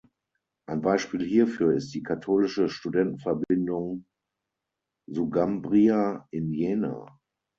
Ein Beispiel hierfür ist die katholische Studentenverbindung Sugambria in Jena.